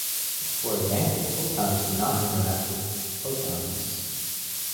For example, photons do not interact with photons.